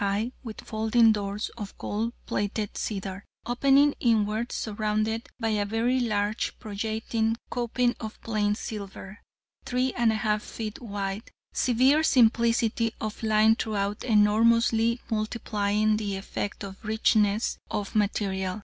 high, with folding doors of gold plated cedar, opening inwards, surrounded by a very large projecting coping of plain silver, 3 1/2 ft. wide, severe simplicity of line throughout enormously multiplying the effect of richness of material.